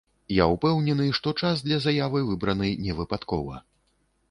Я ўпэўнены, што час для заявы выбраны невыпадкова.